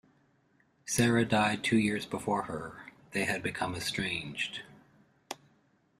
Sara died two years before her; they had become estranged.